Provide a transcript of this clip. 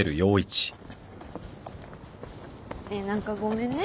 ねえ何かごめんね。